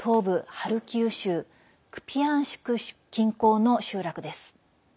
ハルキウ州クピヤンシク近郊の集落です。